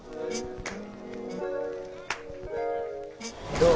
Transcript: どう？